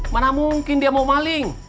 mana mungkin dia mau maling